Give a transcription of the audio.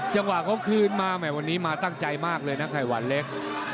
จังหวะเขาคืนมาแห่วันนี้มาตั้งใจมากเลยนะไข่หวานเล็ก